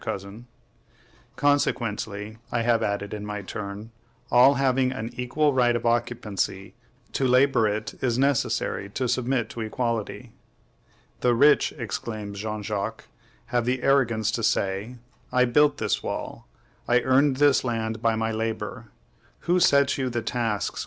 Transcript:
Cousin. Consequently, I have added in my turn, all having an equal right of occupancy, to labor it is necessary to submit to equality. "The rich," exclaims Jean Jacques, "have the arrogance to say, 'I built this wall; I earned this land by my labor.' Who set you the tasks?